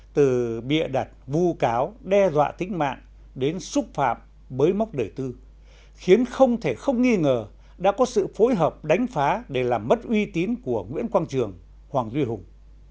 từ bịa đặt vu cáo đe dọa tính mạng đến xúc phạm bới móc đời tư khiến không thể không nghi ngờ đã có sự phối hợp đánh phá để làm mất uy tín của nguyễn quang trường hoàng duy hùng